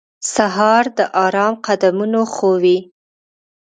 سهار د آرام قدمونه ښووي.